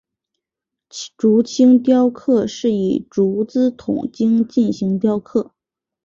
竹青雕刻是以竹子筒茎进行雕刻。